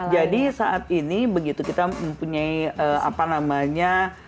jadi saat ini begitu kita mempunyai apa namanya